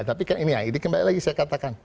tapi kembali lagi saya katakan